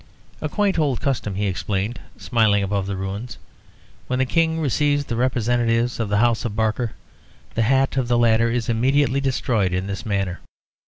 "A quaint old custom," he explained, smiling above the ruins. "When the King receives the representatives of the House of Barker, the hat of the latter is immediately destroyed in this manner.